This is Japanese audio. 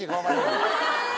・え！